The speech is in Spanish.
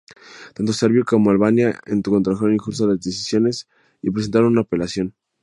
Tanto Serbia como Albania encontraron injusta las decisiones y presentaron una apelación.